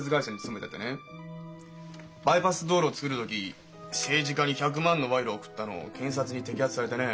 バイパス道路造る時政治家に１００万の賄賂贈ったのを検察に摘発されてね。